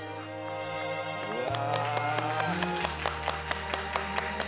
うわ。